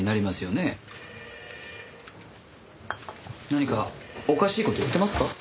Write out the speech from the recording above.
何かおかしい事言ってますか？